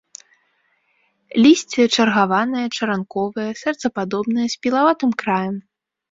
Лісце чаргаванае, чаранковае, сэрцападобнае, з пілаватым краем.